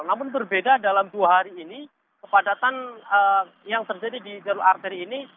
namun berbeda dalam dua hari ini kepadatan yang terjadi di jalur arteri ini